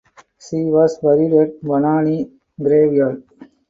She was buried at Banani Graveyard.